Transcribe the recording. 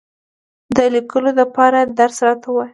د لیکلو دپاره درس راته ووایه !